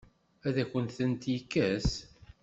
Ad akent-tent-yekkes?